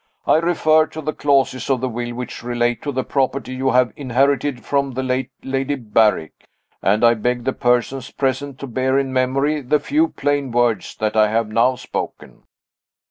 I refer to the clauses of the will which relate to the property you have inherited from the late Lady Berrick and I beg the persons present to bear in memory the few plain words that I have now spoken."